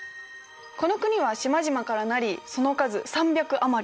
この国は島々から成りその数３００余り。